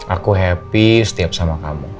aku happy setiap sama kamu